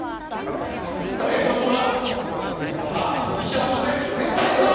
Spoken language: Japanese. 速い助走だ。